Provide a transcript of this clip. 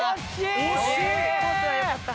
惜しい！コースはよかった。